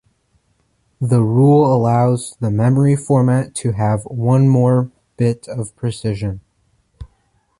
The rule allows the memory format to have one more bit of precision.